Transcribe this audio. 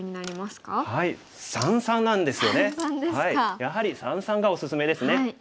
やはり三々がおすすめですね。